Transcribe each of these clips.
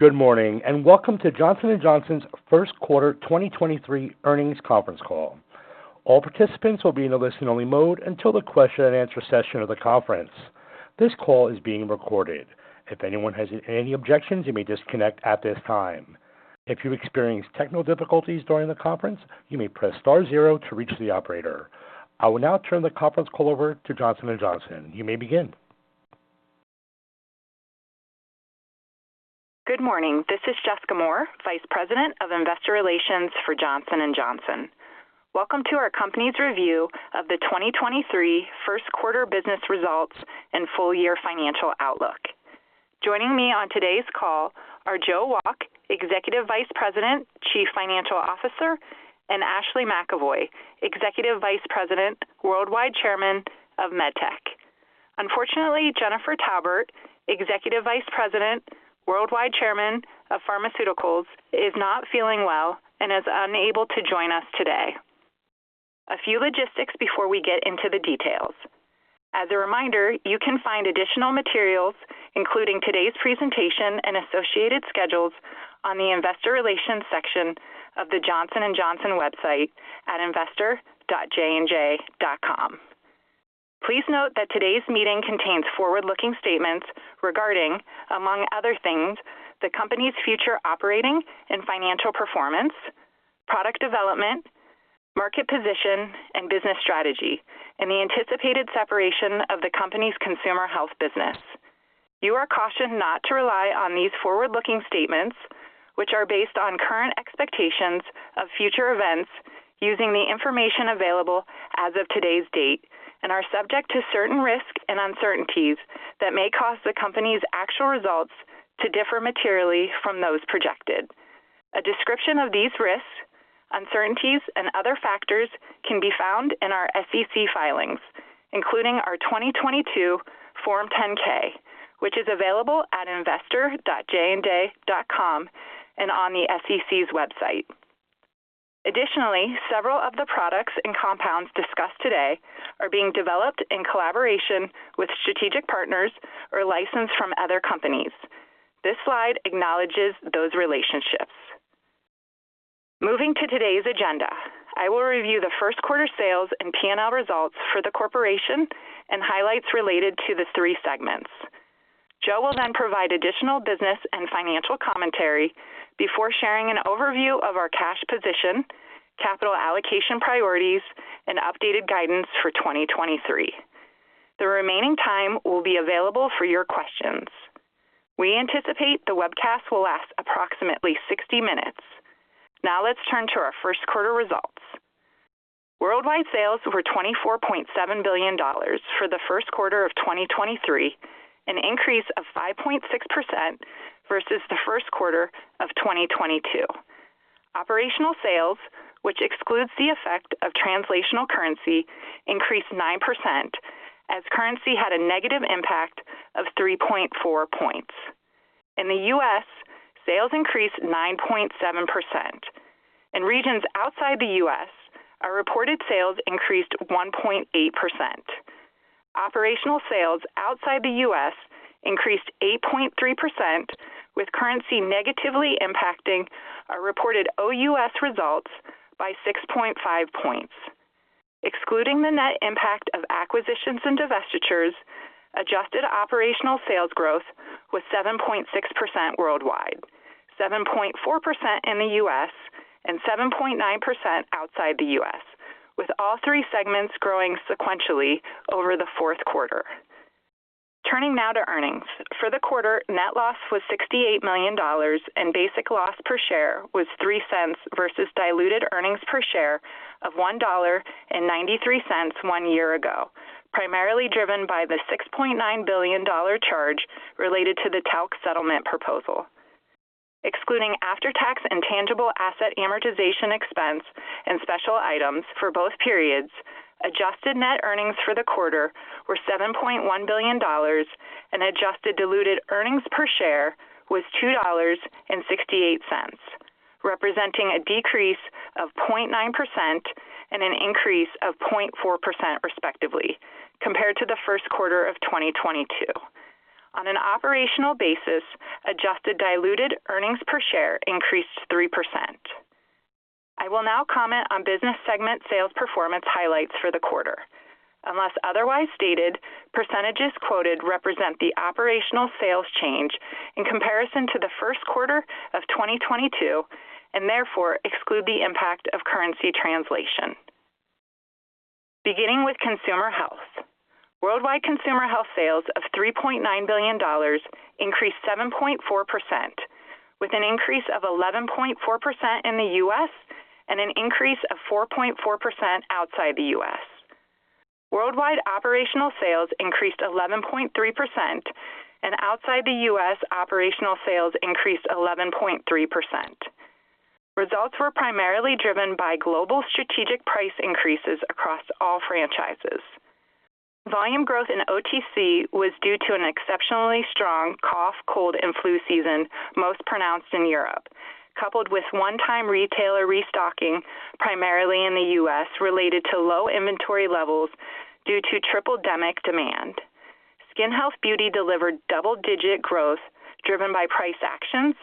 Good morning. Welcome to Johnson & Johnson's Q1 2023 earnings conference call. All participants will be in a listen-only mode until the question-and-answer session of the conference. This call is being recorded. If anyone has any objections, you may disconnect at this time. If you experience technical difficulties during the conference, you may press star 0 to reach the operator. I will now turn the conference call over to Johnson & Johnson. You may begin. Good morning. This is Jessica Moore, Vice President of Investor Relations for Johnson & Johnson. Welcome to our company's review of the 2023 Q1 business results and full year financial outlook. Joining me on today's call are Joe Wolk, Executive Vice President, Chief Financial Officer, and Ashley McEvoy, Executive Vice President, Worldwide Chairman of MedTech. Unfortunately, Jennifer Taubert, Executive Vice President, Worldwide Chairman of Pharmaceuticals, is not feeling well and is unable to join us today. A few logistics before we get into the details. As a reminder, you can find additional materials, including today's presentation and associated schedules, on the Investor Relations section of the Johnson & Johnson website at investor.jnj.com. Please note that today's meeting contains forward-looking statements regarding, among other things, the company's future operating and financial performance, product development, market position, and business strategy, and the anticipated separation of the company's consumer health business. You are cautioned not to rely on these forward-looking statements, which are based on current expectations of future events using the information available as of today's date and are subject to certain risks and uncertainties that may cause the company's actual results to differ materially from those projected. A description of these risks, uncertainties, and other factors can be found in our SEC filings, including our 2022 Form 10-K, which is available at investor.jnj.com and on the SEC's website. Additionally, several of the products and compounds discussed today are being developed in collaboration with strategic partners or licensed from other companies. This slide acknowledges those relationships. Moving to today's agenda. I will review the Q1 sales and P&L results for the corporation and highlights related to the three segments. Joe will then provide additional business and financial commentary before sharing an overview of our cash position, capital allocation priorities, and updated guidance for 2023. The remaining time will be available for your questions. We anticipate the webcast will last approximately 60 minutes. Let's turn to our Q1 results. Worldwide sales were $24.7 billion for the Q1 of 2023, an increase of 5.6% versus the Q1 of 2022. Operational sales, which excludes the effect of translational currency, increased 9% as currency had a negative impact of 3.4 points. In the U.S., sales increased 9.7%. In regions outside the U.S., our reported sales increased 1.8%. Operational sales outside the U.S. increased 8.3%, with currency negatively impacting our reported OUS results by 6.5 points. Excluding the net impact of acquisitions and divestitures, adjusted operational sales growth was 7.6% worldwide, 7.4% in the U.S., and 7.9% outside the U.S., with all three segments growing sequentially over the Q4. Turning now to earnings. For the quarter, net loss was $68 million and basic loss per share was $0.03 versus diluted earnings per share of $1.93 one year ago, primarily driven by the $6.9 billion charge related to the talc settlement proposal. Excluding after-tax and tangible asset amortization expense and special items for both periods, adjusted net earnings for the quarter were $7.1 billion and adjusted diluted earnings per share was $2.68, representing a decrease of 0.9% and an increase of 0.4% respectively, compared to the Q1 of 2022. On an operational basis, adjusted diluted earnings per share increased 3%. I will now comment on business segment sales performance highlights for the quarter. Unless otherwise stated, percentages quoted represent the operational sales change in comparison to the Q1 of 2022, and therefore exclude the impact of currency translation. Beginning with consumer health. Worldwide consumer health sales of $3.9 billion increased 7.4%, with an increase of 11.4% in the U.S. and an increase of 4.4% outside the U.S. Worldwide operational sales increased 11.3%. Outside the U.S., operational sales increased 11.3%. Results were primarily driven by global strategic price increases across all franchises. Volume growth in OTC was due to an exceptionally strong cough, cold, and flu season, most pronounced in Europe. Coupled with one-time retailer restocking primarily in the U.S. related to low inventory levels due to triple-demic demand. Skin health beauty delivered double-digit growth driven by price actions,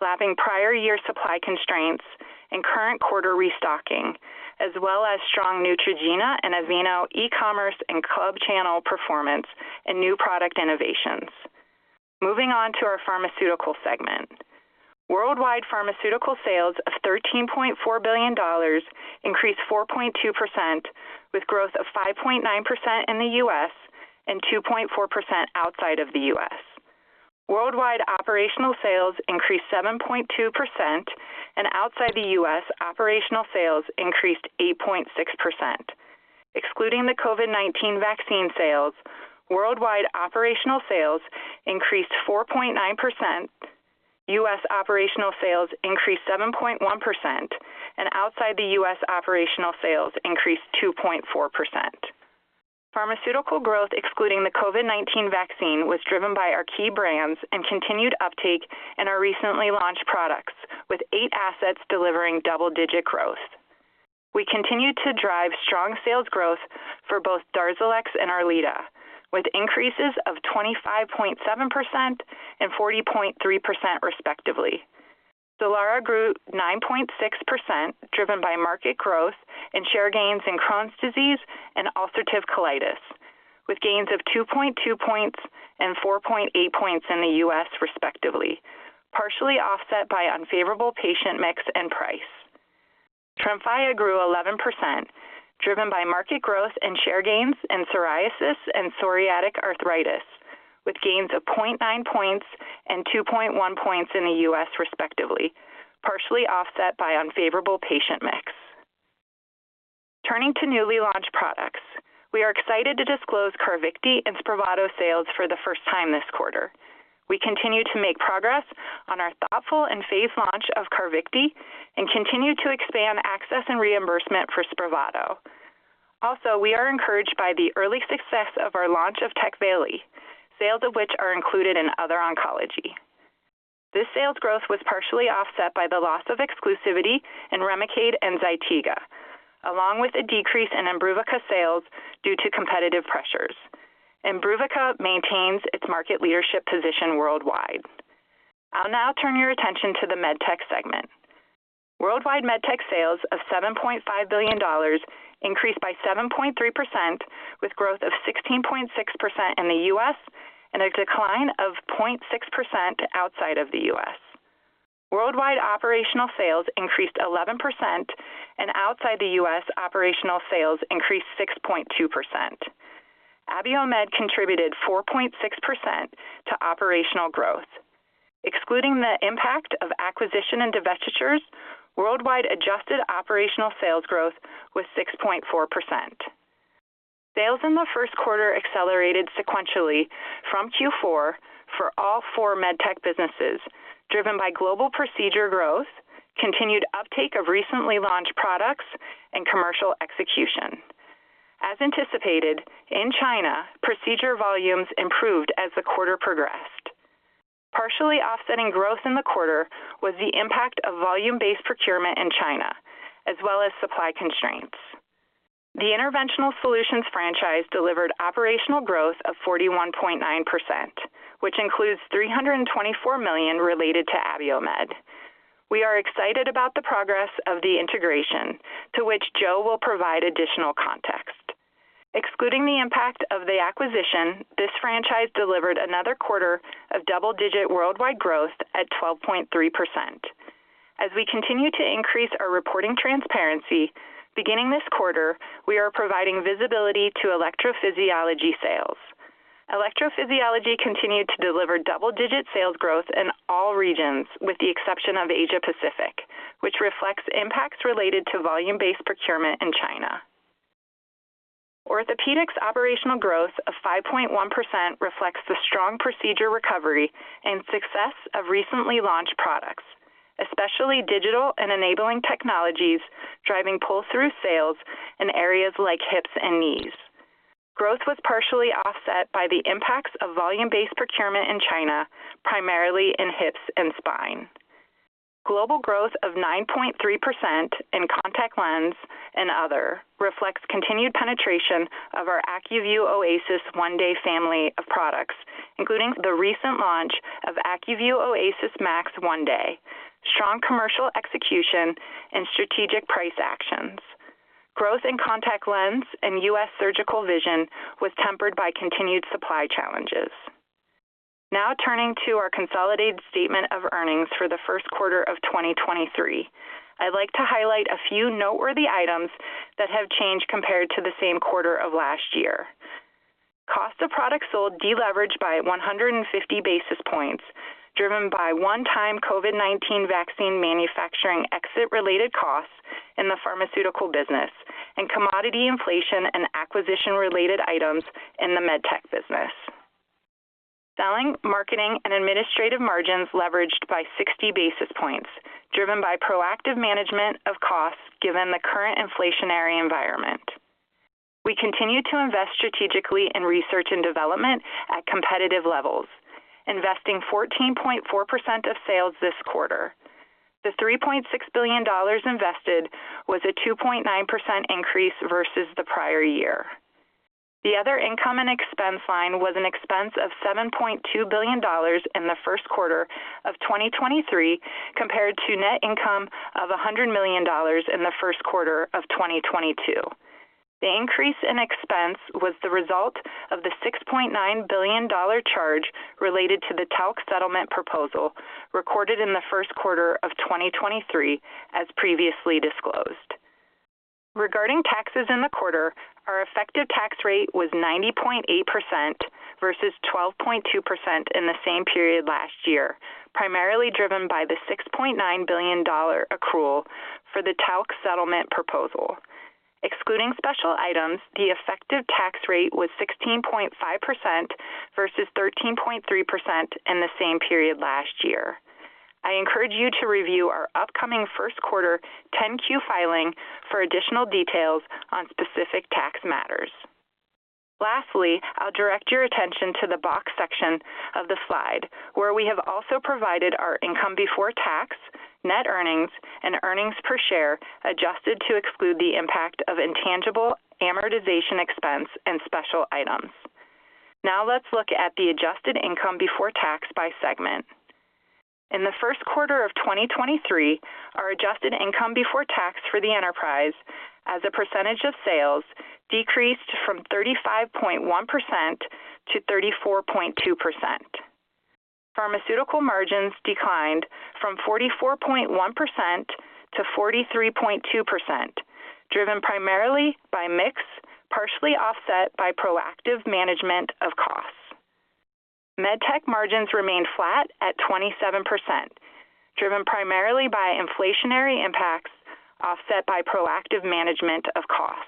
lapping prior year supply constraints and current quarter restocking, as well as strong Neutrogena and Aveeno eCommerce and club channel performance and new product innovations. Moving on to our pharmaceutical segment. Worldwide pharmaceutical sales of $13.4 billion increased 4.2% with growth of 5.9% in the US and 2.4% outside of the US. Worldwide operational sales increased 7.2% and outside the US, operational sales increased 8.6%. Excluding the COVID-19 vaccine sales, worldwide operational sales increased 4.9%, US operational sales increased 7.1%, and outside the US, operational sales increased 2.4%. Pharmaceutical growth, excluding the COVID-19 vaccine, was driven by our key brands and continued uptake in our recently launched products, with 8 assets delivering double-digit growth. We continued to drive strong sales growth for both Darzalex and ERLEADA, with increases of 25.7% and 40.3% respectively. STELARA grew 9.6%, driven by market growth and share gains in Crohn's disease and ulcerative colitis, with gains of 2.2 points and 4.8 points in the U.S. respectively, partially offset by unfavorable patient mix and price. TREMFYA grew 11%, driven by market growth and share gains in psoriasis and psoriatic arthritis, with gains of 0.9 points and 2.1 points in the U.S. respectively, partially offset by unfavorable patient mix. Turning to newly launched products. We are excited to disclose Carvykti and SPRAVATO sales for the first time this quarter. We continue to make progress on our thoughtful and phased launch of Carvykti and continue to expand access and reimbursement for SPRAVATO. We are encouraged by the early success of our launch of Tecvayli, sales of which are included in other oncology. This sales growth was partially offset by the loss of exclusivity in REMICADE and ZYTIGA, along with a decrease in Imbruvica sales due to competitive pressures. Imbruvica maintains its market leadership position worldwide. I'll now turn your attention to the MedTech segment. Worldwide MedTech sales of $7.5 billion increased by 7.3% with growth of 16.6% in the U.S. and a decline of 0.6% outside of the U.S. Worldwide operational sales increased 11% and outside the U.S., operational sales increased 6.2%. Abiomed contributed 4.6% to operational growth. Excluding the impact of acquisition and divestitures, worldwide adjusted operational sales growth was 6.4%. Sales in the Q1 accelerated sequentially from Q4 for all four MedTech businesses, driven by global procedure growth, continued uptake of recently launched products, and commercial execution. As anticipated, in China, procedure volumes improved as the quarter progressed. Partially offsetting growth in the quarter was the impact of volume-based procurement in China, as well as supply constraints. The Interventional Solutions franchise delivered operational growth of 41.9%, which includes $324 million related to Abiomed. We are excited about the progress of the integration, to which Joe will provide additional context. Excluding the impact of the acquisition, this franchise delivered another quarter of double-digit worldwide growth at 12.3%. As we continue to increase our reporting transparency, beginning this quarter, we are providing visibility to electrophysiology sales. Electrophysiology continued to deliver double-digit sales growth in all regions with the exception of Asia-Pacific, which reflects impacts related to volume-based procurement in China. Orthopedics operational growth of 5.1% reflects the strong procedure recovery and success of recently launched products, especially digital and enabling technologies driving pull-through sales in areas like hips and knees. Growth was partially offset by the impacts of volume-based procurement in China, primarily in hips and spine. Global growth of 9.3% in contact lens and other reflects continued penetration of our ACUVUE OASYS 1-Day family of products, including the recent launch of ACUVUE OASYS MAX 1-Day, strong commercial execution, and strategic price actions. Growth in contact lens and U.S. surgical vision was tempered by continued supply challenges. Turning to our consolidated statement of earnings for the Q1 of 2023. I'd like to highlight a few noteworthy items that have changed compared to the same quarter of last year. Cost of products sold deleveraged by 150 basis points driven by one-time COVID-19 vaccine manufacturing exit-related costs in the Pharmaceutical business and commodity inflation and acquisition-related items in the MedTech business. Selling, marketing, and administrative margins leveraged by 60 basis points driven by proactive management of costs given the current inflationary environment. We continue to invest strategically in research and development at competitive levels, investing 14.4% of sales this quarter. The $3.6 billion invested was a 2.9% increase versus the prior year. The other income and expense line was an expense of $7.2 billion in the Q1 of 2023 compared to net income of $100 million in the Q1 of 2022. The increase in expense was the result of the $6.9 billion charge related to the TALC settlement proposal recorded in the Q1 of 2023 as previously disclosed. Regarding taxes in the quarter, our effective tax rate was 90.8% versus 12.2% in the same period last year, primarily driven by the $6.9 billion accrual for the TALC settlement proposal. Excluding special items, the effective tax rate was 16.5% versus 13.3% in the same period last year. I encourage you to review our upcoming Q1 10-Q filing for additional details on specific tax matters. Lastly, I'll direct your attention to the box section of the slide where we have also provided our income before tax, net earnings and earnings per share, adjusted to exclude the impact of intangible amortization expense and special items. Let's look at the adjusted income before tax by segment. In the Q1of 2023, our adjusted income before tax for the enterprise as a percentage of sales decreased from 35.1%-34.2%. Pharmaceutical margins declined from 44.1%-43.2%, driven primarily by mix, partially offset by proactive management of costs. MedTech margins remained flat at 27%, driven primarily by inflationary impacts, offset by proactive management of costs.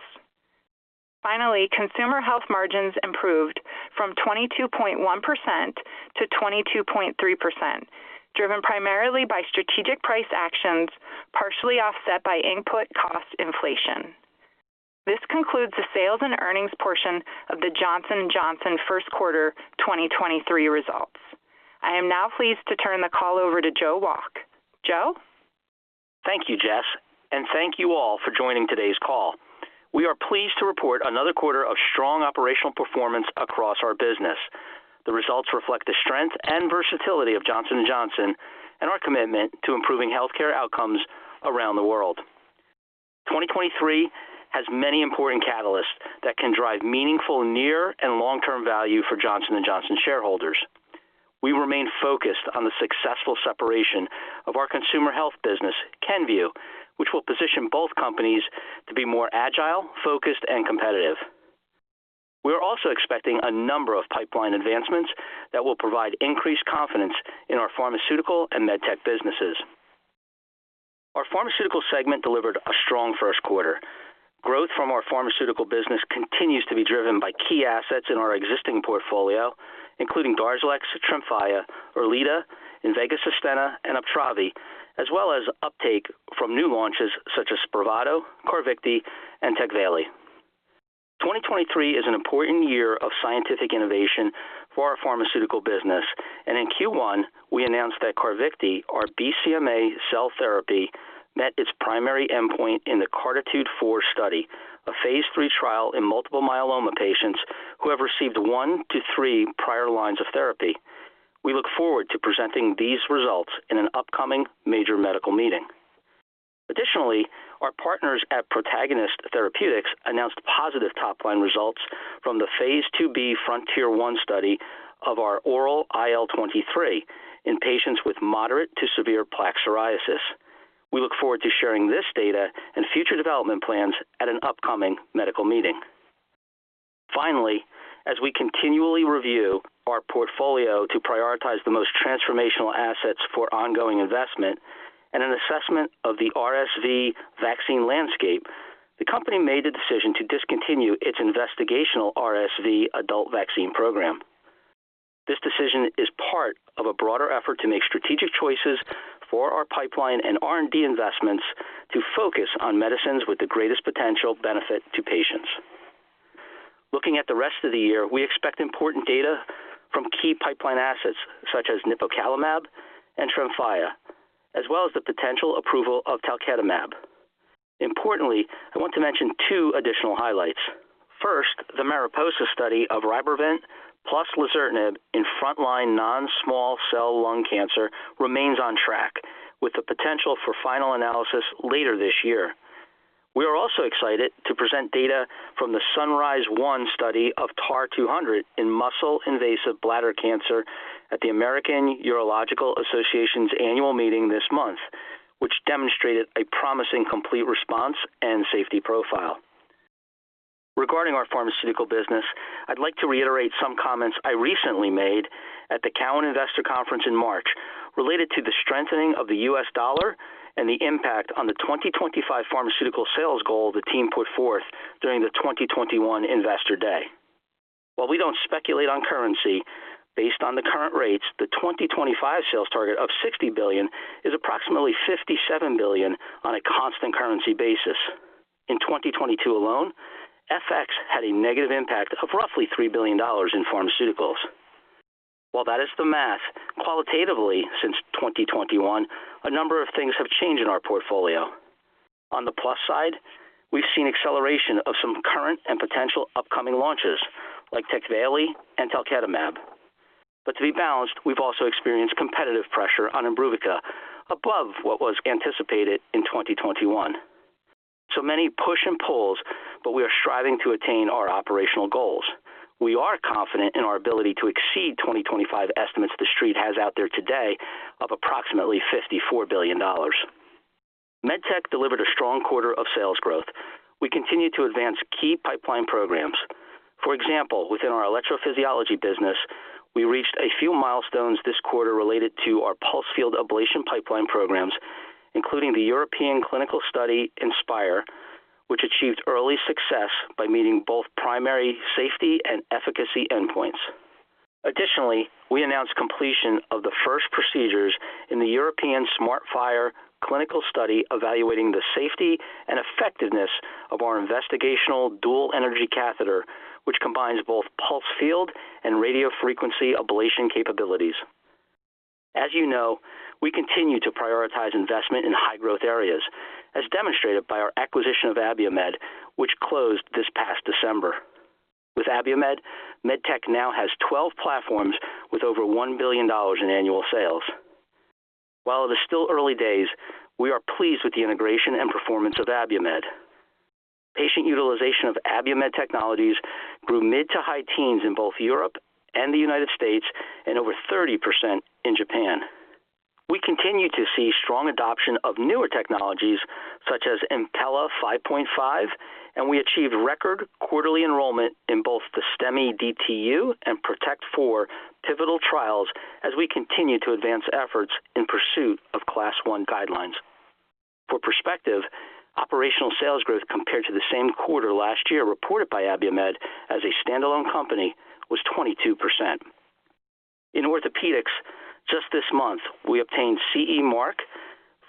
Consumer Health margins improved from 22.1%-22.3%, driven primarily by strategic price actions, partially offset by input cost inflation. This concludes the sales and earnings portion of the Johnson & Johnson Q1 2023 results. I am now pleased to turn the call over to Joe Wolk. Joe. Thank you, Jess. Thank you all for joining today's call. We are pleased to report another quarter of strong operational performance across our business. The results reflect the strength and versatility of Johnson & Johnson and our commitment to improving healthcare outcomes around the world. 2023 has many important catalysts that can drive meaningful near and long-term value for Johnson & Johnson shareholders. We remain focused on the successful separation of our Consumer Health business, Kenvue, which will position both companies to be more agile, focused and competitive. We are also expecting a number of pipeline advancements that will provide increased confidence in our Pharmaceutical and MedTech businesses. Our Pharmaceutical segment delivered a strong Q1. Growth from our Pharmaceutical business continues to be driven by key assets in our existing portfolio, including DARZALEX, TREMFYA, ERLEADA, INVEGA SUSTENNA and UPTRAVI, as well as uptake from new launches such as SPRAVATO, Carvykti and TECVAYLI. 2023 is an important year of scientific innovation for our Pharmaceutical business, and in Q1 we announced that Carvykti, our BCMA cell therapy, met its primary endpoint in the CARTITUDE-4 study, a phase 3 trial in multiple myeloma patients who have received 1 to 3 prior lines of therapy. We look forward to presenting these results in an upcoming major medical meeting. Additionally, our partners at Protagonist Therapeutics announced positive top line results from the phase 2b FRONTIER 1 study of our oral IL-23 in patients with moderate to severe plaque psoriasis. We look forward to sharing this data and future development plans at an upcoming medical meeting. As we continually review our portfolio to prioritize the most transformational assets for ongoing investment and an assessment of the RSV vaccine landscape, the company made the decision to discontinue its investigational RSV adult vaccine program. This decision is part of a broader effort to make strategic choices for our pipeline and R&D investments to focus on medicines with the greatest potential benefit to patients. Looking at the rest of the year, we expect important data from key pipeline assets such as nipocalimab and TREMFYA, as well as the potential approval of talquetamab. First, the MARIPOSA study of RYBREVANT plus lazertinib in frontline non-small cell lung cancer remains on track with the potential for final analysis later this year. We are also excited to present data from the SunRISe-1 study of TAR-200 in muscle invasive bladder cancer at the American Urological Association's annual meeting this month, which demonstrated a promising complete response and safety profile. Regarding our Pharmaceuticals business, I'd like to reiterate some comments I recently made at the Cowen Health Care Conference in March related to the strengthening of the US dollar and the impact on the 2025 pharmaceutical sales goal the team put forth during the 2021 Investor Day. While we don't speculate on currency, based on the current rates, the 2025 sales target of $60 billion is approximately $57 billion on a constant currency basis. In 2022 alone, FX had a negative impact of roughly $3 billion in Pharmaceuticals. While that is the math, qualitatively since 2021, a number of things have changed in our portfolio. On the plus side, we've seen acceleration of some current and potential upcoming launches like TECVAYLI and talquetamab. To be balanced, we've also experienced competitive pressure on Imbruvica above what was anticipated in 2021. Many push and pulls, but we are striving to attain our operational goals. We are confident in our ability to exceed 2025 estimates the Street has out there today of approximately $54 billion. MedTech delivered a strong quarter of sales growth. We continue to advance key pipeline programs. For example, within our electrophysiology business, we reached a few milestones this quarter related to our pulsed field ablation pipeline programs, including the European clinical study inspIRE, which achieved early success by meeting both primary safety and efficacy endpoints. Additionally, we announced completion of the first procedures in the European SmartfIRE clinical study evaluating the safety and effectiveness of our investigational dual energy catheter, which combines both pulsed field and radiofrequency ablation capabilities. As, we continue to prioritize investment in high-growth areas, as demonstrated by our acquisition of Abiomed, which closed this past December. With Abiomed, MedTech now has 12 platforms with over $1 billion in annual sales. While it is still early days, we are pleased with the integration and performance of Abiomed. Patient utilization of Abiomed technologies grew mid to high teens in both Europe and the United States and over 30% in Japan. We continue to see strong adoption of newer technologies such as Impella 5.5, and we achieved record quarterly enrollment in both the STEMI DTU and PROTECT IV pivotal trials as we continue to advance efforts in pursuit of Class I guidelines. For perspective, operational sales growth compared to the same quarter last year reported by Abiomed as a standalone company was 22%. In orthopedics, just this month, we obtained CE mark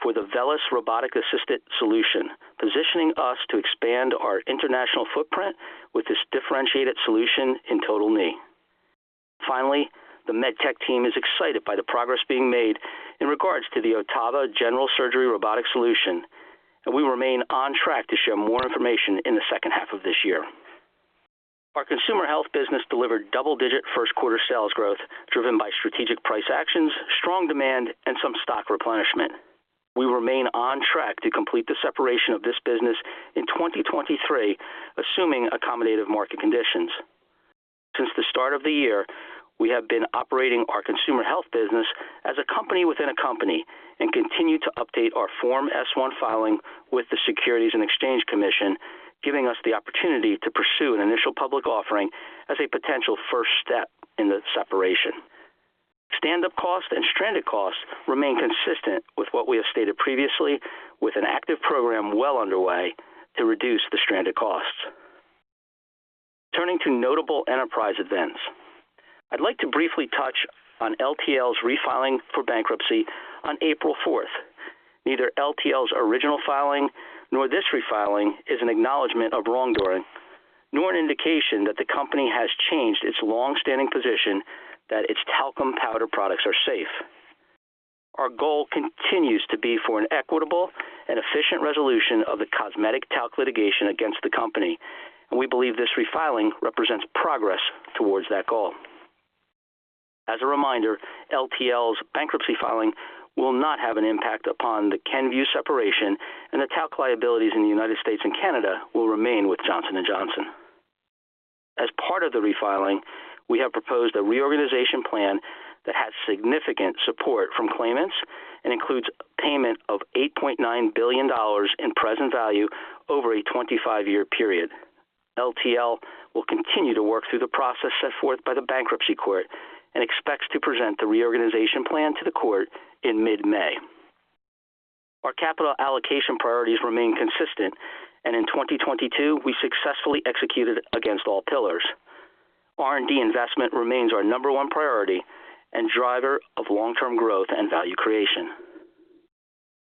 for the VELYS robotic-assisted solution, positioning us to expand our international footprint with this differentiated solution in total knee. Finally, the MedTech team is excited by the progress being made in regards to the OTTAVA General Surgery robotic solution, and we remain on track to share more information in the second half of this year. Our Consumer Health business delivered double-digit Q1 sales growth driven by strategic price actions, strong demand, and some stock replenishment. We remain on track to complete the separation of this business in 2023, assuming accommodative market conditions. Since the start of the year, we have been operating our Consumer Health business as a company within a company and continue to update our Form S-1 filing with the Securities and Exchange Commission, giving us the opportunity to pursue an initial public offering as a potential first step in the separation. Stand up costs and stranded costs remain consistent with what we have stated previously with an active program well underway to reduce the stranded costs. Turning to notable enterprise events. I'd like to briefly touch on LTL's refiling for bankruptcy on April fourth. Neither LTL's original filing nor this refiling is an acknowledgment of wrongdoing, nor an indication that the company has changed its long-standing position that its talcum powder products are safe. Our goal continues to be for an equitable and efficient resolution of the cosmetic talc litigation against the company, and we believe this refiling represents progress towards that goal. As a reminder, LTL's bankruptcy filing will not have an impact upon the Kenvue separation, and the talc liabilities in the United States and Canada will remain with Johnson & Johnson. As part of the refiling, we have proposed a reorganization plan that has significant support from claimants and includes payment of $8.9 billion in present value over a 25-year period. LTL will continue to work through the process set forth by the Bankruptcy Court and expects to present the reorganization plan to the court in mid-May. Our capital allocation priorities remain consistent, and in 2022, we successfully executed against all pillars. R&D investment remains our number one priority and driver of long-term growth and value creation.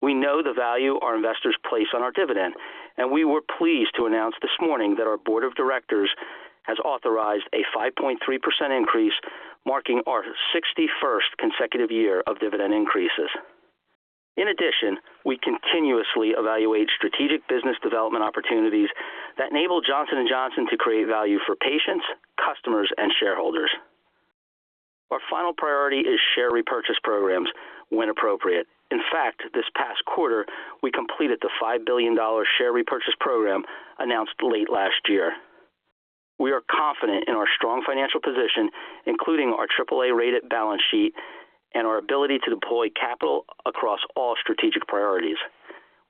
We know the value our investors place on our dividend, and we were pleased to announce this morning that our board of directors has authorized a 5.3% increase, marking our 61st consecutive year of dividend increases. In addition, we continuously evaluate strategic business development opportunities that enable Johnson & Johnson to create value for patients, customers and shareholders. Our final priority is share repurchase programs when appropriate. In fact, this past quarter we completed the $5 billion share repurchase program announced late last year. We are confident in our strong financial position, including our AAA-rated balance sheet and our ability to deploy capital across all strategic priorities.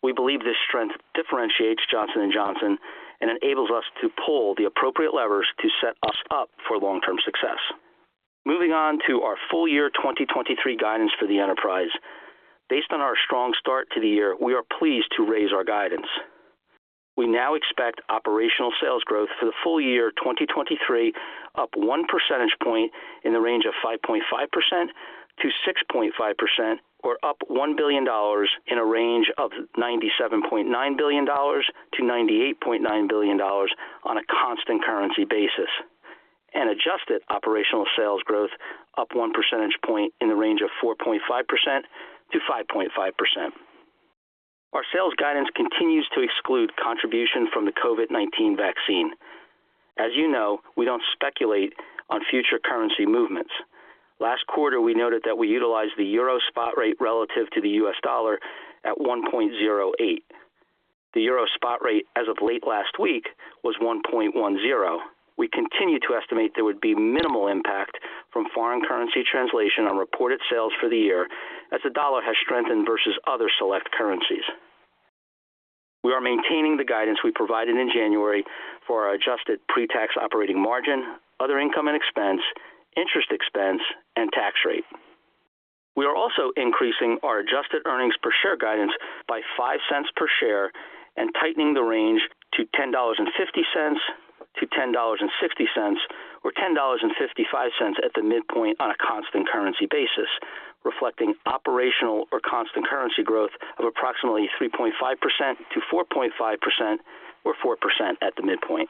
We believe this strength differentiates Johnson & Johnson and enables us to pull the appropriate levers to set us up for long-term success. Moving on to our full year 2023 guidance for the enterprise. Based on our strong start to the year, we are pleased to raise our guidance. We now expect operational sales growth for the full year 2023, up 1 percentage point in the range of 5.5%-6.5%, or up $1 billion in a range of $97.9 billion-$98.9 billion on a constant currency basis, and adjusted operational sales growth up 1 percentage point in the range of 4.5%-5.5%. Our sales guidance continues to exclude contribution from the COVID-19 vaccine. As, we don't speculate on future currency movements. Last quarter, we noted that we utilized the euro spot rate relative to the US dollar at 1.08. The euro spot rate as of late last week was 1.10. We continue to estimate there would be minimal impact from foreign currency translation on reported sales for the year as the dollar has strengthened versus other select currencies. We are maintaining the guidance we provided in January for our adjusted pre-tax operating margin, other income and expense, interest expense, and tax rate. We are also increasing our adjusted earnings per share guidance by $0.05 per share and tightening the range to $10.50-$10.60, or $10.55 at the midpoint on a constant currency basis, reflecting operational or constant currency growth of approximately 3.5%-4.5% or 4% at the midpoint.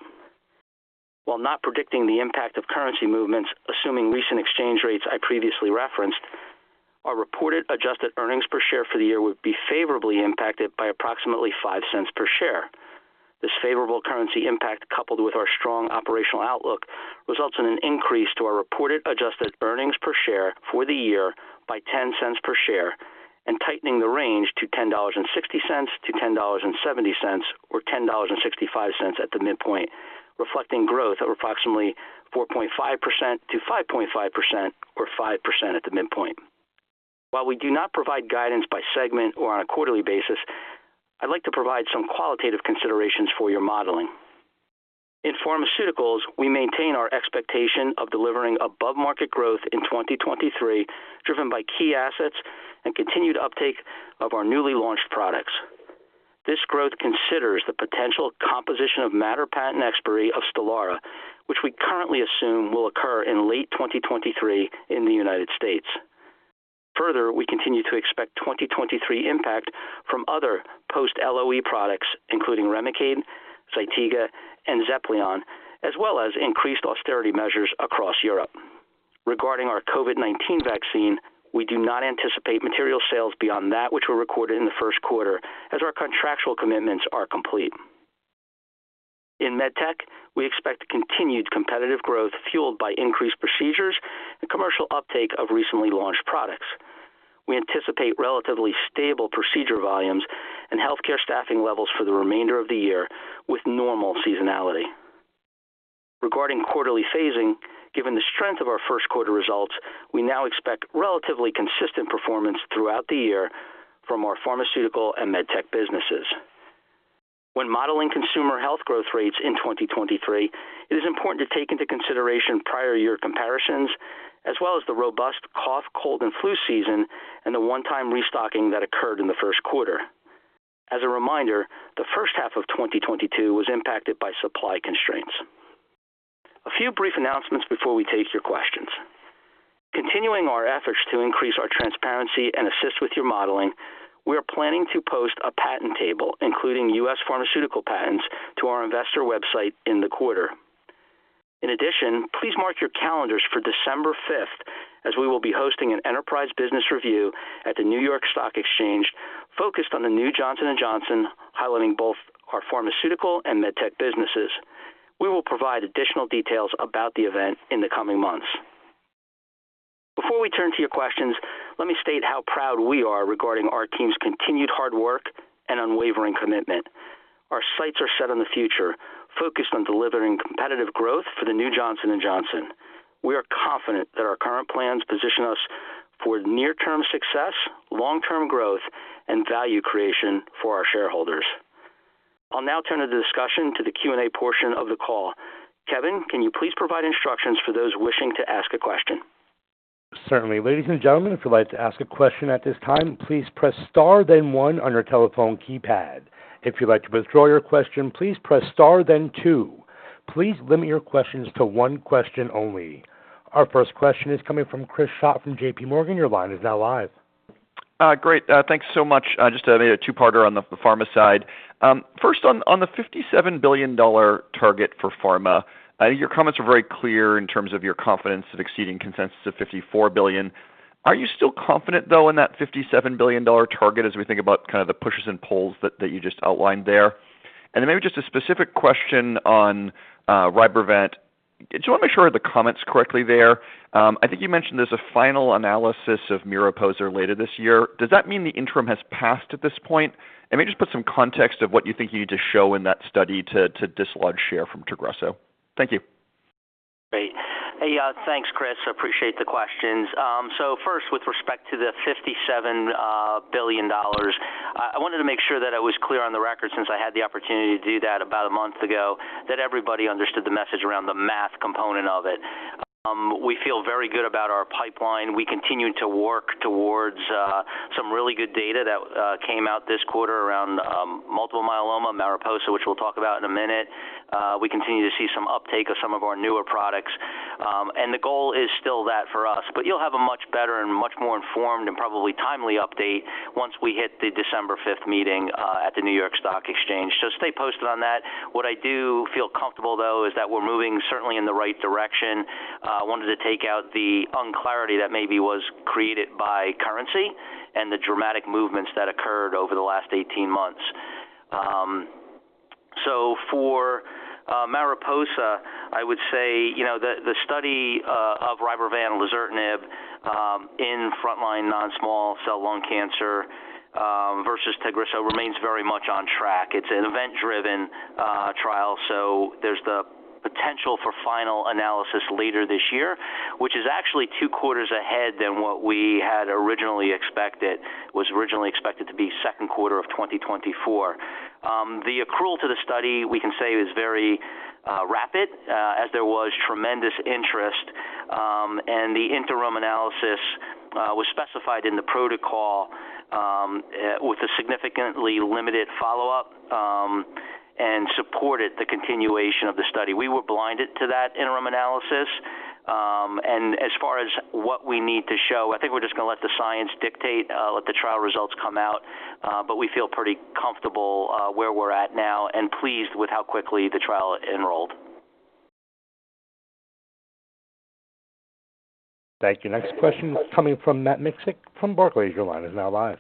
While not predicting the impact of currency movements, assuming recent exchange rates I previously referenced, our reported adjusted earnings per share for the year would be favorably impacted by approximately $0.05 per share. This favorable currency impact, coupled with our strong operational outlook, results in an increase to our reported adjusted earnings per share for the year by $0.10 per share and tightening the range to $10.60-$10.70, or $10.65 at the midpoint, reflecting growth of approximately 4.5%-5.5% or 5% at the midpoint. While we do not provide guidance by segment or on a quarterly basis, I'd like to provide some qualitative considerations for your modeling. In pharmaceuticals, we maintain our expectation of delivering above-market growth in 2023, driven by key assets and continued uptake of our newly launched products. This growth considers the potential composition of matter patent expiry of STELARA, which we currently assume will occur in late 2023 in the United States. We continue to expect 2023 impact from other post-LOE products, including REMICADE, ZYTIGA, and XEPLION, as well as increased austerity measures across Europe. Regarding our COVID-19 vaccine, we do not anticipate material sales beyond that which were recorded in the Q1 as our contractual commitments are complete. In MedTech, we expect continued competitive growth fueled by increased procedures and commercial uptake of recently launched products. We anticipate relatively stable procedure volumes and healthcare staffing levels for the remainder of the year with normal seasonality. Regarding quarterly phasing, given the strength of our Q1 results, we now expect relatively consistent performance throughout the year from our pharmaceutical and MedTech businesses. When modeling consumer health growth rates in 2023, it is important to take into consideration prior year comparisons as well as the robust cough, cold and flu season and the one-time restocking that occurred in the Q1. As a reminder, the first half of 2022 was impacted by supply constraints. A few brief announcements before we take your questions. Continuing our efforts to increase our transparency and assist with your modeling, we are planning to post a patent table, including U.S. pharmaceutical patents, to our investor website in the quarter. Please mark your calendars for December fifth as we will be hosting an enterprise business review at the New York Stock Exchange focused on the new Johnson & Johnson, highlighting both our pharmaceutical and MedTech businesses. We will provide additional details about the event in the coming months. Before we turn to your questions, let me state how proud we are regarding our team's continued hard work and unwavering commitment. Our sights are set on the future, focused on delivering competitive growth for the new Johnson & Johnson. We are confident that our current plans position us for near-term success, long-term growth, and value creation for our shareholders. I'll now turn the discussion to the Q&A portion of the call. Kevin, can you please provide instructions for those wishing to ask a question? Certainly. Ladies and gentlemen, if you'd like to ask a question at this time, please press star then one on your telephone keypad. If you'd like to withdraw your question, please press star then two. Please limit your questions to one question only. Our first question is coming from Chris Schott from JPMorgan. Your line is now live. Great. Thanks so much. Just a two-parter on the pharma side. First on the $57 billion target for pharma, your comments are very clear in terms of your confidence of exceeding consensus of $54 billion. Are you still confident, though, in that $57 billion target as we think about kind of the pushes and pulls that you just outlined there? Maybe just a specific question on Rybrevant. I just want to make sure I have the comments correctly there. I think you mentioned there's a final analysis of MARIPOSA later this year. Does that mean the interim has passed at this point? Maybe just put some context of what you think you need to show in that study to dislodge share from Tagrisso. Thank you. Great. Hey, thanks, Chris. Appreciate the questions. First, with respect to the $57 billion, I wanted to make sure that I was clear on the record since I had the opportunity to do that about a month ago, that everybody understood the message around the math component of it. We feel very good about our pipeline. We continue to work towards some really good data that came out this quarter around multiple myeloma, MARIPOSA, which we'll talk about in a minute. We continue to see some uptake of some of our newer products. The goal is still that for us. You'll have a much better and much more informed and probably timely update once we hit the December fifth meeting at the New York Stock Exchange. Stay posted on that. What I do feel comfortable, though, is that we're moving certainly in the right direction. Wanted to take out the unclarity that maybe was created by currency and the dramatic movements that occurred over the last 18 months. For MARIPOSA, I would say the study of Rybrevant, lazertinib, in frontline non-small cell lung cancer, versus Tagrisso remains very much on track. It's an event-driven trial, so there's the potential for final analysis later this year, which is actually Q2 ahead than what we had originally expected. Was originally expected to be Q2 of 2024. The accrual to the study, we can say is very rapid, as there was tremendous interest, and the interim analysis was specified in the protocol, with a significantly limited follow-up, and supported the continuation of the study. We were blinded to that interim analysis. And as far as what we need to show, I think we're just gonna let the science dictate, let the trial results come out. We feel pretty comfortable, where we're at now and pleased with how quickly the trial enrolled. Thank you. Next question coming from Matt Miksic from Barclays. Your line is now live.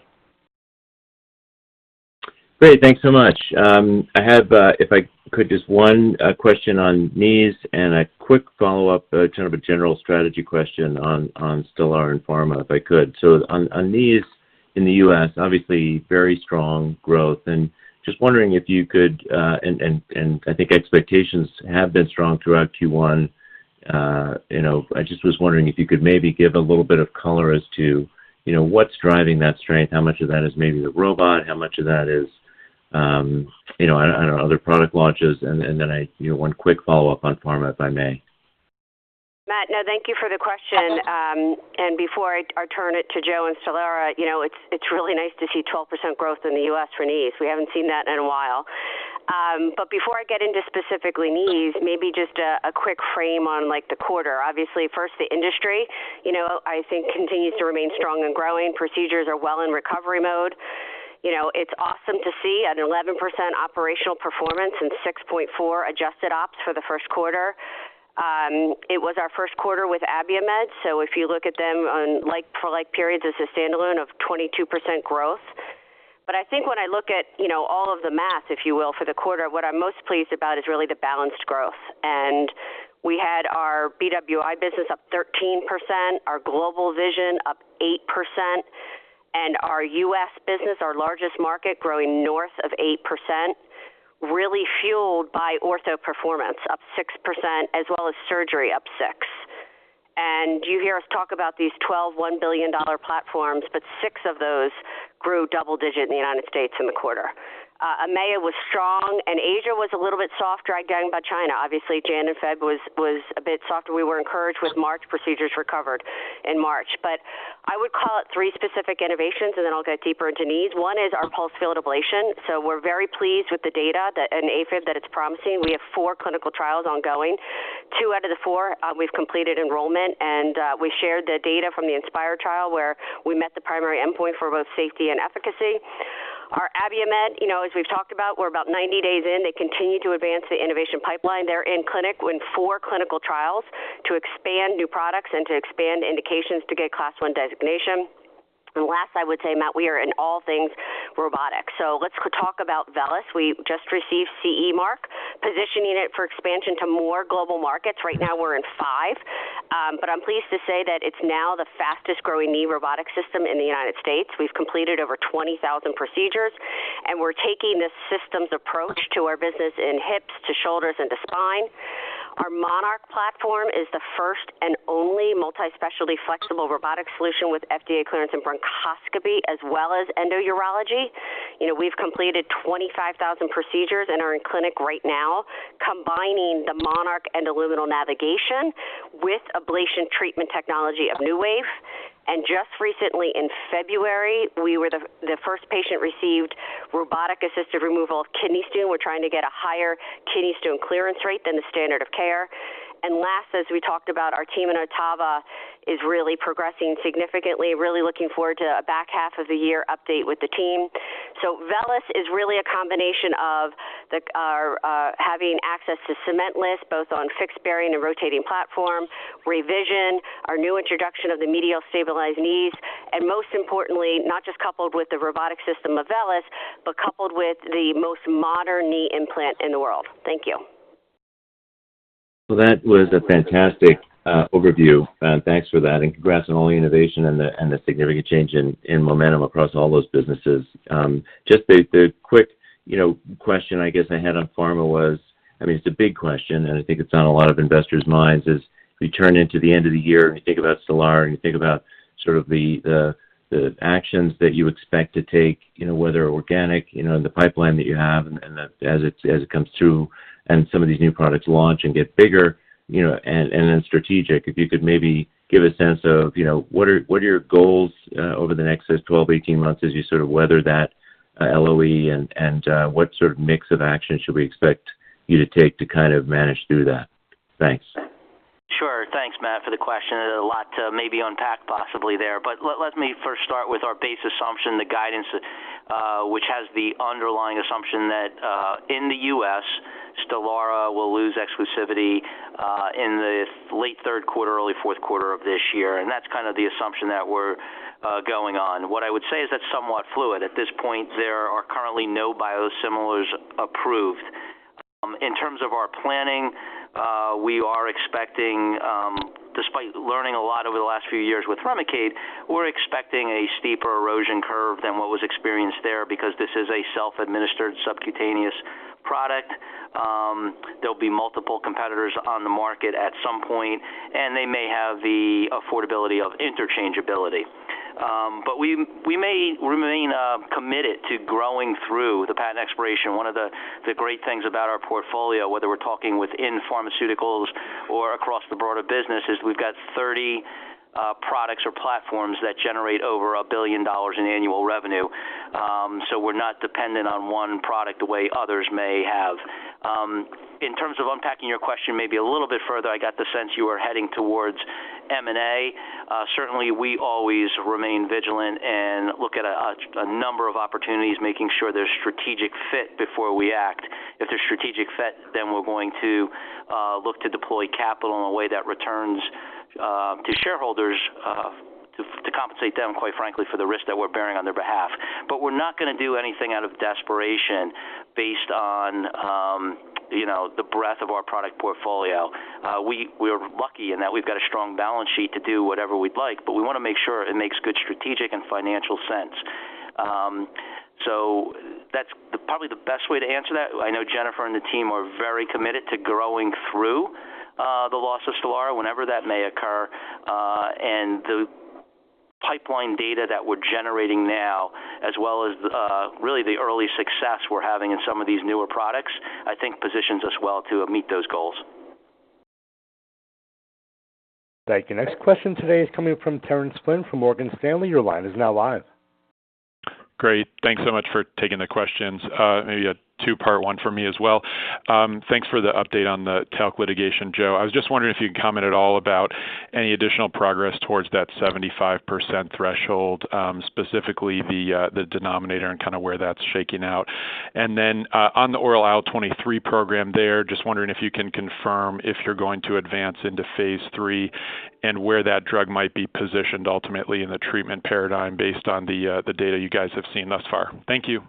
Great. Thanks so much. I have, if I could, just one question on knees and a quick follow-up, kind of a general strategy question on STELARA and pharma, if I could. On, on knees in the U.S., obviously, very strong growth. Just wondering if you could. I think expectations have been strong throughout Q1., I just was wondering if you could maybe give a little bit of color as to what's driving that strength, how much of that is maybe the robot, how much of that is I don't know, other product launches. Then i one quick follow-up on pharma, if I may. Matt, no, thank you for the question. Before I turn it to Joe and stelara it's really nice to see 12% growth in the U.S. for knees. We haven't seen that in a while. Before I get into specifically knees, maybe just a quick frame on, like, the quarter. Obviously, first, the industry I think continues to remain strong and growing. Procedures are well in recovery mode. , it's awesome to see an 11% operational performance and 6.4% adjusted ops for the Q1. It was our Q1 with Abiomed, if you look at them on like-for-like periods as a standalone of 22% growth. I think when I look at all of the math, if you will, for the quarter, what I'm most pleased about is really the balanced growth. We had our BWI business up 13%, our global vision up 8%, and our U.S. business, our largest market, growing north of 8%, really fueled by ortho performance up 6%, as well as surgery up 6%. You hear us talk about these 12 $1 billion platforms, but 6 of those grew double-digit in the United States in the quarter. EMEA was strong and Asia was a little bit softer, again, by China. Obviously, January and February was a bit softer. We were encouraged with March. Procedures recovered in March. I would call out 3 specific innovations, and then I'll get deeper into knees. 1 is our pulsed field ablation. We're very pleased with the data that in AFib that it's promising. We have 4 clinical trials ongoing. 2 out of the 4, we've completed enrollment. We shared the data from the inspIRE trial, where we met the primary endpoint for both safety and efficacy. Our abiomed as we've talked about, we're about 90 days in. They continue to advance the innovation pipeline. They're in clinic with 4 clinical trials to expand new products and to expand indications to get Class I designation. Last I would say, Matt, we are in all things robotics. Let's talk about VELYS. We just received CE mark, positioning it for expansion to more global markets. Right now we're in 5. I'm pleased to say that it's now the fastest growing knee robotic system in the United States. We've completed over 20,000 procedures. We're taking this systems approach to our business in hips, to shoulders and to spine. Our MONARCH platform is the first and only multi-specialty flexible robotic solution with FDA clearance in bronchoscopy as well as endourology., we've completed 25,000 procedures and are in clinic right now combining the MONARCH and ILLUMISITE navigation with ablation treatment technology of NewWave. Just recently in February, we were the first patient received robotic-assisted removal of kidney stone. We're trying to get a higher kidney stone clearance rate than the standard of care. Last, as we talked about, our team in OTTAVA is really progressing significantly. Really looking forward to a back half of the year update with the team. VELYS is really a combination of our having access to cementless, both on fixed bearing and rotating platform, revision, our new introduction of the medial stabilized knees, and most importantly, not just coupled with the robotic system of VELYS, but coupled with the most modern knee implant in the world. Thank you. That was a fantastic overview. Thanks for that, congrats on all the innovation and the, and the significant change in momentum across all those businesses. Just the quick question I guess I had on pharma was. I mean, it's a big question, and I think it's on a lot of investors' minds, is we turn into the end of the year and you think about STELARA and you think about sort of the, the actions that you expect to take whether organic and the pipeline that you have and the, as it's, as it comes through and some of these new products launch and get bigger and then strategic. If you could maybe give a sense of what are your goals, over the next say 12, 18 months as you sort of weather that LOE and, what sort of mix of actions should we expect you to take to kind of manage through that? Thanks. Sure. Thanks, Matt, for the question. A lot to maybe unpack possibly there. Let me first start with our base assumption, the guidance, which has the underlying assumption that in the U.S., STELARA will lose exclusivity in the late Q3, early Q4 of this year, and that's kind of the assumption that we're going on. What I would say is that's somewhat fluid. At this point, there are currently no biosimilars approved. In terms of our planning, we are expecting, despite learning a lot over the last few years with REMICADE, we're expecting a steeper erosion curve than what was experienced there because this is a self-administered subcutaneous product. There'll be multiple competitors on the market at some point, and they may have the affordability of interchangeability. We may remain committed to growing through the patent expiration. One of the great things about our portfolio, whether we're talking within Pharmaceuticals or across the broader business, is we've got 30 products or platforms that generate over $1 billion in annual revenue. We're not dependent on one product the way others may have. In terms of unpacking your question maybe a little bit further, I got the sense you were heading towards M&A. Certainly we always remain vigilant and look at a number of opportunities making sure they're strategic fit before we act. If they're strategic fit, we're going to look to deploy capital in a way that returns to shareholders to compensate them, quite frankly, for the risk that we're bearing on their behalf. We're not gonna do anything out of desperation based on the breadth of our product portfolio. We're lucky in that we've got a strong balance sheet to do whatever we'd like, but we wanna make sure it makes good strategic and financial sense. That's probably the best way to answer that. I know Jennifer and the team are very committed to growing through the loss of STELARA whenever that may occur. The pipeline data that we're generating now, as well as really the early success we're having in some of these newer products, I think positions us well to meet those goals. Thank you. Next question today is coming from Terence Flynn from Morgan Stanley. Your line is now live. Great. Thanks so much for taking the questions. Maybe a two-part one for me as well. Thanks for the update on the talc litigation, Joe. I was just wondering if you could comment at all about any additional progress towards that 75% threshold, specifically the denominator and kind of where that's shaking out? On the oral IL-23 program there, just wondering if you can confirm if you're going to advance into phase 3 and where that drug might be positioned ultimately in the treatment paradigm based on the data you guys have seen thus far? Thank you.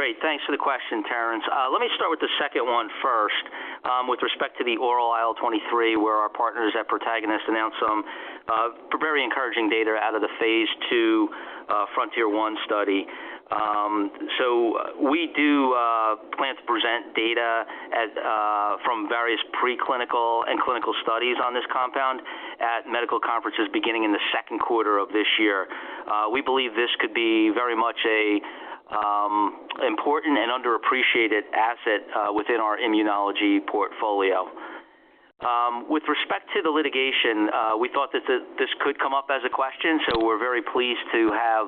Great. Thanks for the question, Terence. Let me start with the second one first. With respect to the oral IL-23, where our partners at Protagonist announced some very encouraging data out of the phase 2 FRONTIER 1 study. We do plan to present data at from various preclinical and clinical studies on this compound at medical conferences beginning in the Q2 of this year. We believe this could be very much a important and underappreciated asset within our immunology portfolio. With respect to the litigation, we thought that this could come up as a question, so we're very pleased to have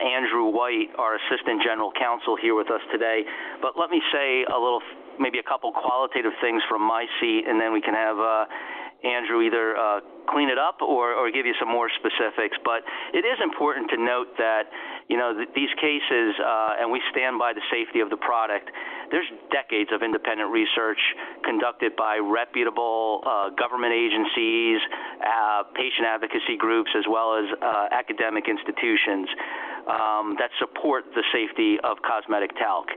Andrew White, our Assistant General Counsel, here with us today. Let me say a little, maybe a couple qualitative things from my seat, and then we can have Andrew either clean it up or give you some more specifics. It is important to note that these cases, and we stand by the safety of the product. There's decades of independent research conducted by reputable government agencies, patient advocacy groups, as well as academic institutions, that support the safety of cosmetic talc.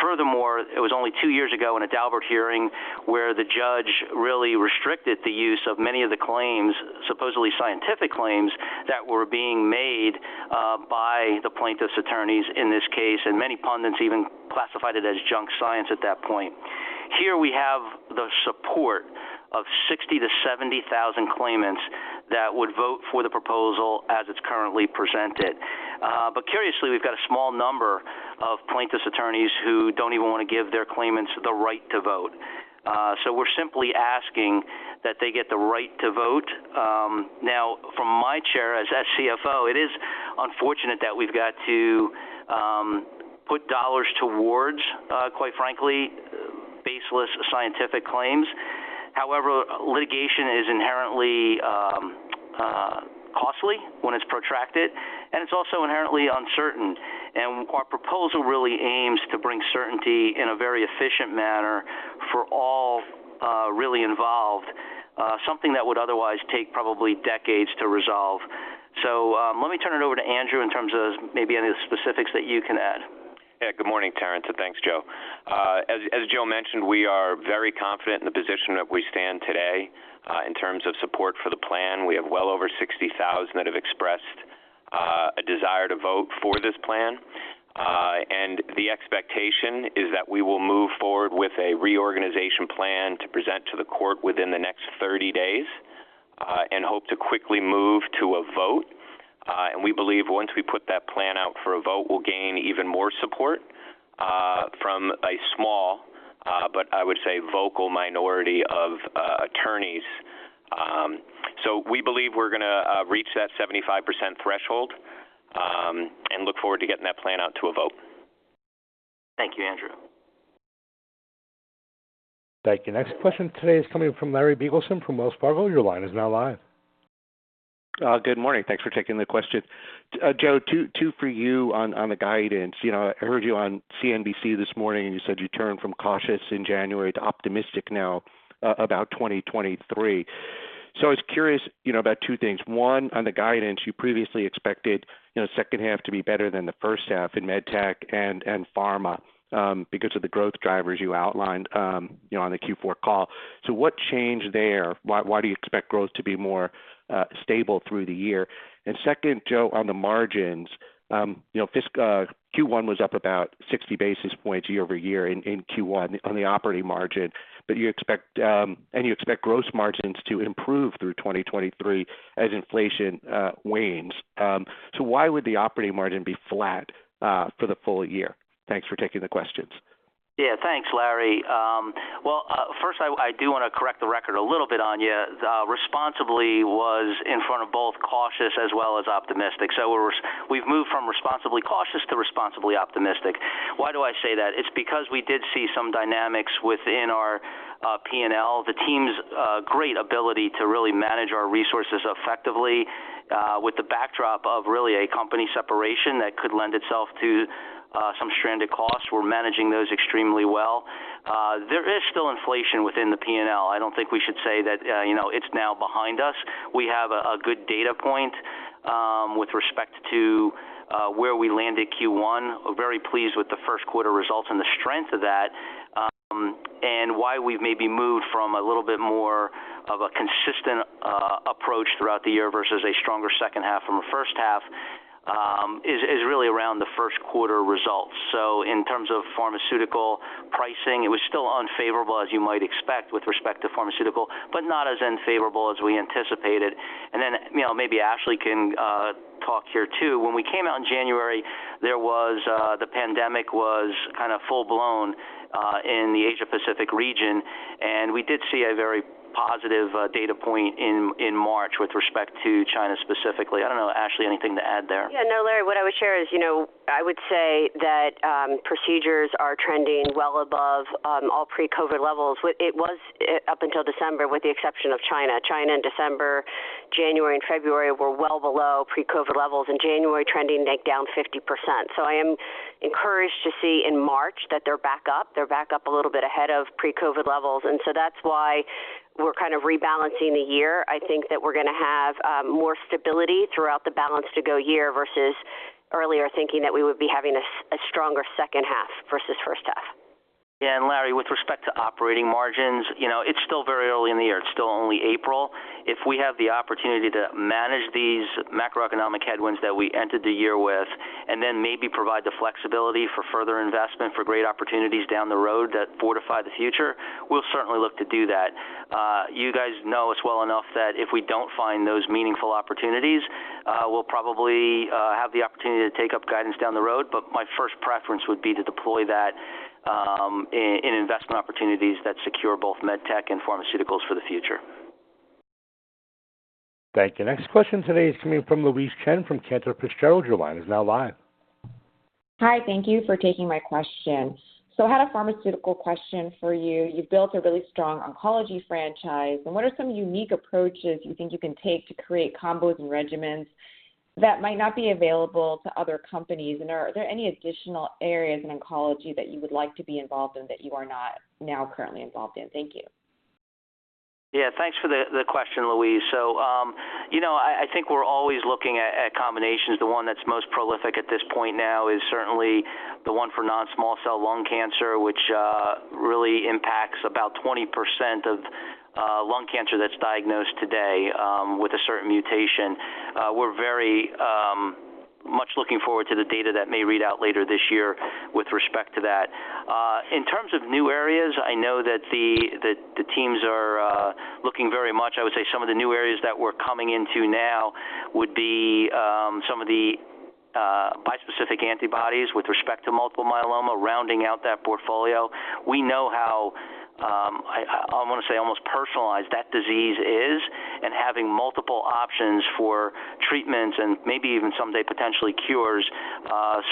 Furthermore, it was only 2 years ago in a Daubert hearing where the judge really restricted the use of many of the claims, supposedly scientific claims, that were being made by the plaintiff's attorneys in this case, and many pundits even classified it as junk science at that point. Here we have the support of 60,000-70,000 claimants that would vote for the proposal as it's currently presented. Curiously, we've got a small number of plaintiff's attorneys who don't even wanna give their claimants the right to vote. We're simply asking that they get the right to vote. Now from my chair as cfo, it is unfortunate that we've got to put $ towards quite frankly, baseless scientific claims. However, litigation is inherently costly when it's protracted, and it's also inherently uncertain. Our proposal really aims to bring certainty in a very efficient manner for all really involved, something that would otherwise take probably decades to resolve. Let me turn it over to Andrew in terms of maybe any specifics that you can add. Good morning, Terence, thanks, Joe. As Joe mentioned, we are very confident in the position that we stand today. In terms of support for the plan, we have well over 60,000 that have expressed a desire to vote for this plan. The expectation is that we will move forward with a reorganization plan to present to the court within the next 30 days, hope to quickly move to a vote. We believe once we put that plan out for a vote, we'll gain even more support from a small, but I would say vocal minority of attorneys. We believe we're gonna reach that 75% threshold, look forward to getting that plan out to a vote. Thank you, Andrew. Thank you. Next question today is coming from Larry Biegelsen from Wells Fargo. Your line is now live. Good morning. Thanks for taking the question. Joe, two for you on the guidance., I heard you on CNBC this morning, you said you turned from cautious in January to optimistic now about 2023. I was curious about two things. One, on the guidance you previously expected second half to be better than the first half in MedTech and pharma, because of the growth drivers you outlined on the Q4 call. What changed there? Why do you expect growth to be more stable through the year? Second, Joe, on the margins Q1 was up about 60 basis points year over year in Q1 on the operating margin, but you expect gross margins to improve through 2023 as inflation wanes. Why would the operating margin be flat for the full year? Thanks for taking the questions. Yeah. Thanks, Larry. Well, first I do wanna correct the record a little bit on you. The responsibly was in front of both cautious as well as optimistic. We've moved from responsibly cautious to responsibly optimistic. Why do I say that? It's because we did see some dynamics within our P&L. The team's great ability to really manage our resources effectively, with the backdrop of really a company separation that could lend itself to some stranded costs, we're managing those extremely well. There is still inflation within the P&L. I don't think we should say that it's now behind us. We have a good data point with respect to where we landed Q1. We're very pleased with the Q1 results and the strength of that, and why we've maybe moved from a little bit more of a consistent approach throughout the year versus a stronger second half from a first half, is really around the Q1 results. In terms of pharmaceutical pricing, it was still unfavorable, as you might expect with respect to pharmaceutical, but not as unfavorable as we anticipated., maybe Ashley can talk here too. When we came out in January, there was the pandemic was kind-of full-blown in the Asia Pacific region, and we did see a very positive data point in March with respect to China specifically. I don't know, Ashley, anything to add there? Yeah. No, Larry, what I would share is I would say that procedures are trending well above all pre-COVID levels. It was up until December with the exception of China. China in December, January and February were well below pre-COVID levels. In January trending like down 50%. I am encouraged to see in March that they're back up a little bit ahead of pre-COVID levels. That's why we're kind of rebalancing the year. I think that we're gonna have more stability throughout the balance to go year versus earlier thinking that we would be having a stronger second half versus first half. Yeah. Larry, with respect to operating margins it's still very early in the year. It's still only April. If we have the opportunity to manage these macroeconomic headwinds that we entered the year with and then maybe provide the flexibility for further investment for great opportunities down the road that fortify the future, we'll certainly look to do that. You guys know us well enough that if we don't find those meaningful opportunities, we'll probably have the opportunity to take up guidance down the road, but my first preference would be to deploy that in investment opportunities that secure both MedTech and Pharmaceuticals for the future. Thank you. Next question today is coming from Louise Chen from Cantor Fitzgerald. Your line is now live. Hi. Thank you for taking my question. I had a pharmaceutical question for you. You've built a really strong oncology franchise, and what are some unique approaches you think you can take to create combos and regimens that might not be available to other companies? Are there any additional areas in oncology that you would like to be involved in that you are not now currently involved in? Thank you. Thanks for the question, Louise., I think we're always looking at combinations. The one that's most prolific at this point now is certainly the one for non-small cell lung cancer, which really impacts about 20% of lung cancer that's diagnosed today with a certain mutation. We're very much looking forward to the data that may read out later this year with respect to that. In terms of new areas, I know that the teams are looking very much. I would say some of the new areas that we're coming into now would be some of the bispecific antibodies with respect to multiple myeloma, rounding out that portfolio. We know how I wanna say almost personalized that disease is. Having multiple options for treatments and maybe even someday potentially cures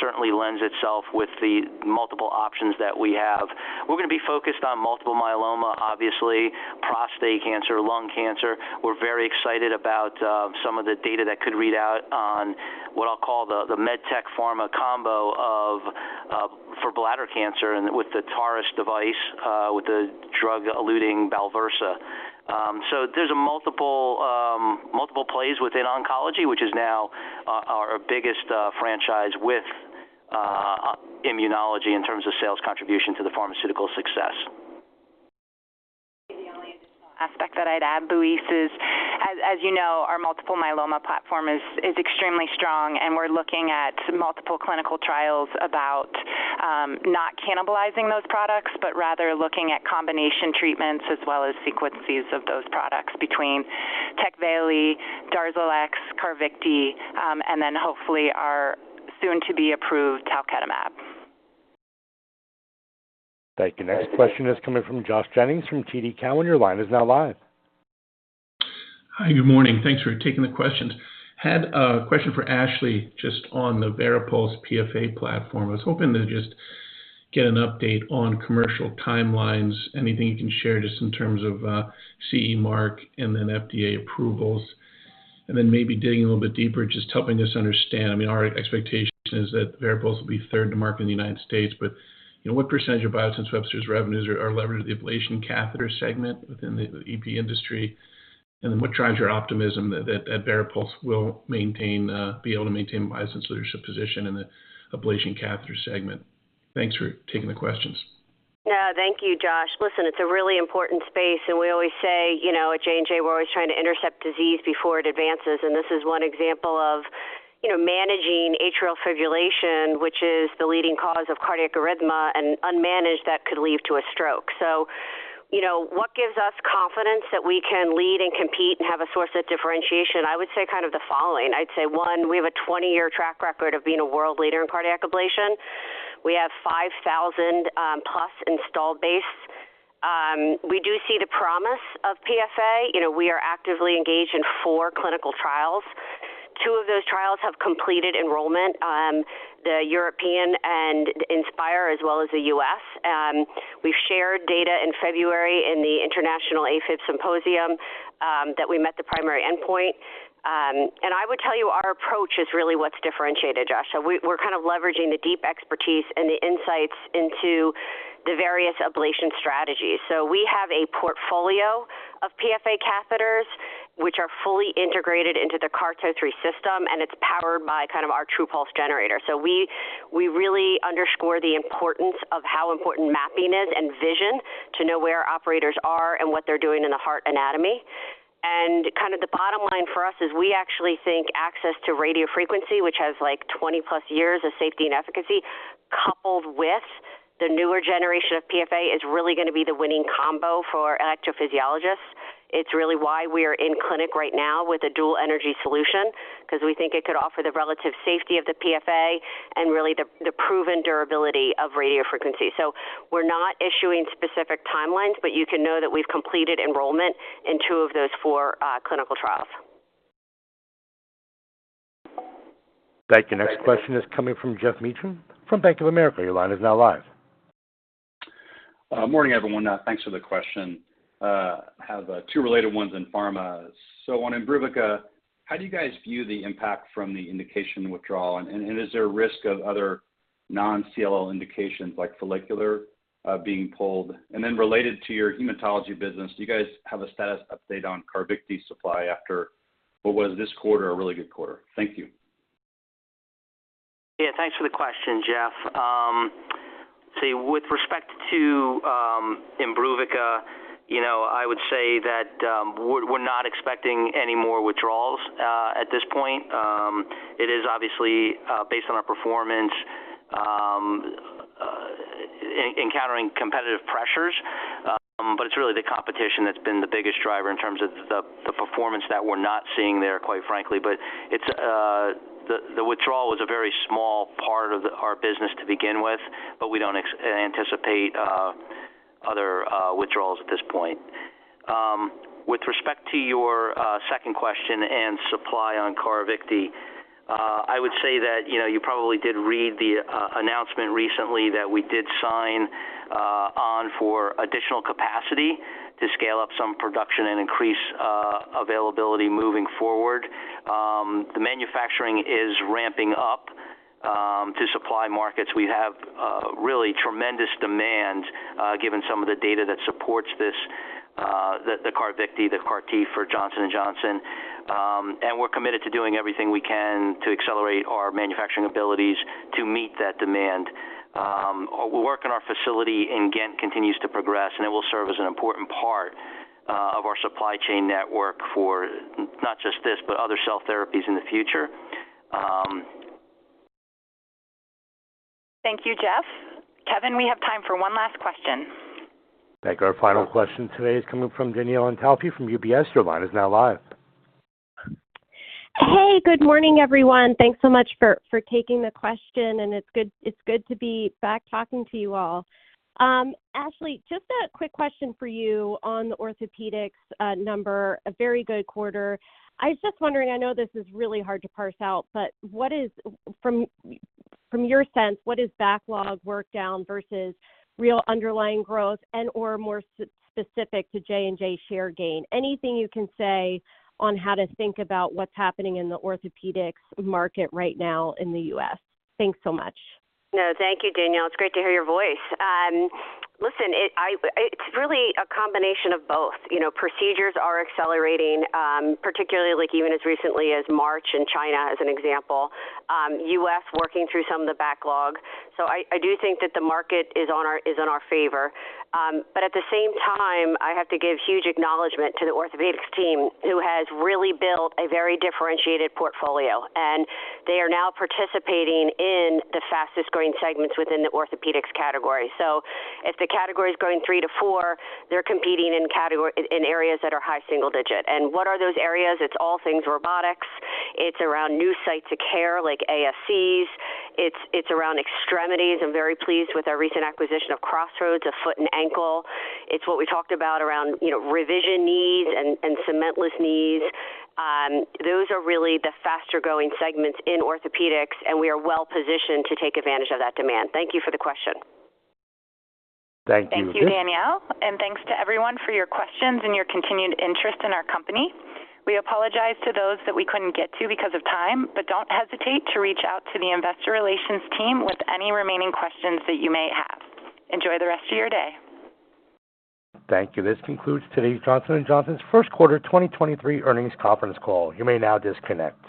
certainly lends itself with the multiple options that we have. We're gonna be focused on multiple myeloma, obviously, prostate cancer, lung cancer. We're very excited about some of the data that could read out on what I'll call the MedTech pharma combo for bladder cancer and with the TAR-210 device with the drug-eluting Balversa There's multiple plays within oncology, which is now our biggest franchise with immunology in terms of sales contribution to the pharmaceutical success. The only additional aspect that I'd add, Louise, as, our multiple myeloma platform is extremely strong, and we're looking at multiple clinical trials about not cannibalizing those products, but rather looking at combination treatments as well as sequences of those products between TECVAYLI, DARZALEX, Carvykti, and then hopefully our soon-to-be-approved talquetamab. Thank you. Next question is coming from Josh Jennings from TD Cowen. Your line is now live. Hi, good morning. Thanks for taking the questions. Had a question for Ashley, just on the VARIPULSE PFA platform. I was hoping to just get an update on commercial timelines, anything you can share just in terms of CE mark and then FDA approvals. Maybe digging a little bit deeper, just helping us understand. I mean, our expectation is that VARIPULSE will be third to market in the United States. , what percentage of Biosense Webster's revenues are levered to the ablation catheter segment within the EP industry? What drives your optimism that VARIPULSE will be able to maintain Biosense leadership position in the ablation catheter segment? Thanks for taking the questions. No, thank you, Josh. Listen, it's a really important space. We always say at J&J, we're always trying to intercept disease before it advances. This is one example of managing atrial fibrillation, which is the leading cause of cardiac arrhythmia and unmanaged that could lead to a stroke. What gives us confidence that we can lead and compete and have a source of differentiation? I would say kind of the following. I'd say, one, we have a 20-year track record of being a world leader in cardiac ablation. We have 5,000 plus installed base. We do see the promise of PFA., we are actively engaged in 4 clinical trials. 2 of those trials have completed enrollment, the European and inspIRE as well as the U.S. We've shared data in February in the International AF Symposium that we met the primary endpoint. I would tell you our approach is really what's differentiated, Josh. We're kind of leveraging the deep expertise and the insights into the various ablation strategies. We have a portfolio of PFA catheters, which are fully integrated into the CARTO 3 system, and it's powered by kind of our TRUPULSE generator. We really underscore the importance of how important mapping is and vision to know where our operators are and what they're doing in the heart anatomy. Kind of the bottom line for us is we actually think access to radiofrequency, which has like 20-plus years of safety and efficacy, coupled with the newer generation of PFA, is really gonna be the winning combo for electrophysiologists. It's really why we are in clinic right now with a dual energy solution because we think it could offer the relative safety of the PFA and really the proven durability of radiofrequency. We're not issuing specific timelines, but you can know that we've completed enrollment in two of those four clinical trials. Thank you. Next question is coming from Geoff Meacham from Bank of America. Your line is now live. Morning, everyone. Thanks for the question. I have two related ones in pharma. On IMBRUVICA, how do you guys view the impact from the indication withdrawal? Is there a risk of other non-CLL indications like follicular being pulled? Related to your hematology business, do you guys have a status update on Carvykti supply after what was this quarter a really good quarter? Thank you. Yeah, thanks for the question, Jeff. With respect to imbruvica I would say that we're not expecting any more withdrawals at this point. It is obviously based on our performance encountering competitive pressures. It's really the competition that's been the biggest driver in terms of the performance that we're not seeing there, quite frankly. It's the withdrawal was a very small part of our business to begin with, but we don't anticipate other withdrawals at this point. With respect to your second question and supply on Carvykti, I would say that you probably did read the announcement recently that we did sign on for additional capacity to scale up some production and increase availability moving forward. The manufacturing is ramping up to supply markets. We have really tremendous demand given some of the data that supports this, the Carvykti, the CAR T for Johnson & Johnson. We're committed to doing everything we can to accelerate our manufacturing abilities to meet that demand. Work in our facility in Ghent continues to progress, and it will serve as an important part of our supply chain network for not just this, but other cell therapies in the future. Thank you, Jeff. Kevin, we have time for one last question. Thank you. Our final question today is coming from Danielle Antalffy from UBS. Your line is now live. Hey, good morning, everyone. Thanks so much for taking the question. It's good to be back talking to you all. Ashley, just a quick question for you on the orthopedics number, a very good quarter. I was just wondering, I know this is really hard to parse out, but what is from your sense, what is backlog work down versus real underlying growth and/or more specific to J&J share gain? Anything you can say on how to think about what's happening in the orthopedics market right now in the U.S.? Thanks so much. No, thank you, Danielle. It's great to hear your voice. Listen, it's really a combination of both., procedures are accelerating, particularly like even as recently as March in China as an example. U.S. working through some of the backlog. I do think that the market is on our, is in our favor. At the same time, I have to give huge acknowledgement to the orthopedics team who has really built a very differentiated portfolio, and they are now participating in the fastest-growing segments within the orthopedics category. If the category is growing 3-4, they're competing in category in areas that are high single digit. What are those areas? It's all things robotics. It's around new sites of care like ASCs. It's around extremities. I'm very pleased with our recent acquisition of CrossRoads, a foot and ankle. It's what we talked about around revision needs and cementless needs. Those are really the faster-growing segments in orthopedics, and we are well-positioned to take advantage of that demand. Thank you for the question. Thank you. Thank you, Danielle. Thanks to everyone for your questions and your continued interest in our company. We apologize to those that we couldn't get to because of time, but don't hesitate to reach out to the investor relations team with any remaining questions that you may have. Enjoy the rest of your day. Thank you. This concludes today's Johnson & Johnson's Q1 2023 Earnings Conference Call. You may now disconnect